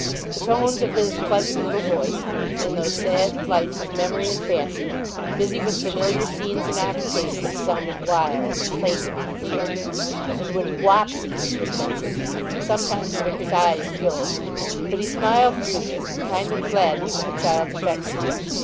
The tones of his pleasant little voice, in those sad flights of memory and fancy, busy with familiar scenes and occupations, sounded wild and plaintive in his ear. And when 'Wapsie' was mentioned, sometimes the vicar's eyes filled, but he smiled through this with a kind of gladness at the child's affection.